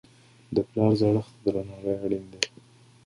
د پلار زړښت ته درناوی اړین دی.